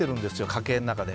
家計の中で。